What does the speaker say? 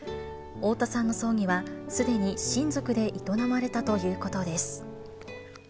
太田さんの葬儀はすでに親族で営まれたということです。